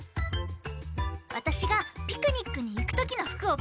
わたしがピクニックにいくときのふくをかいてくれたよ。